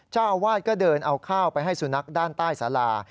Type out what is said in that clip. เจ้าอาวาสก็เดินเอาข้าวไปให้สุนัขด้านใต้สารา